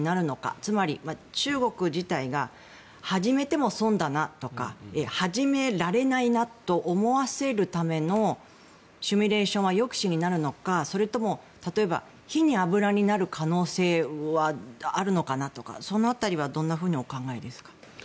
つまり中国自体が始めても損だなとか始められないと思わせるためのシミュレーションは抑止になるのかそれとも例えば火に油になる可能性はあるのかなとかその辺りはどんなふうにお考えですか？